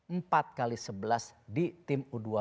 empat x sebelas di tim u dua puluh